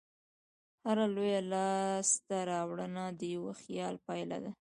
هره لویه لاستهراوړنه د یوه خیال پایله ده.